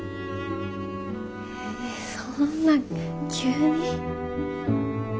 えそんな急に。